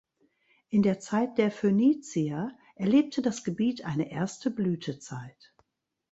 In der Zeit der Phönizier erlebte das Gebiet eine erste Blütezeit.